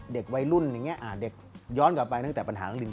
เด็กวัยรุ่นอยังงี้